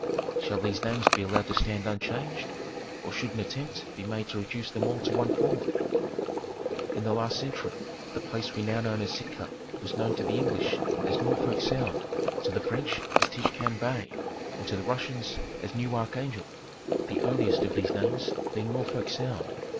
Shall these names be allowed to stand unchanged, or should an attempt be made to reduce them all to one form ? In the last century, the place we now know as Sitka was known to the English as Norfolk Sound, to the French as Tchinkitane ° Bay, and to the Russians as New Archangel. The earliest of these names being Norfolk Sound.